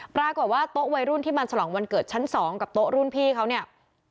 ปรากฏว่าโต๊ะวัยรุ่นที่มาฉลองวันเกิดชั้น๒กับโต๊ะรุ่นพี่เขาเนี่ย